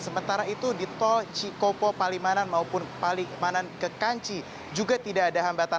sementara itu di tol cikopo palimanan maupun palimanan ke kanci juga tidak ada hambatan